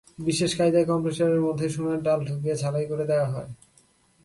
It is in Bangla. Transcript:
বিশেষ কায়দায় কম্প্রেসারের মধ্যে সোনার ডাল ঢুকিয়ে ঝালাই করে দেওয়া হয়।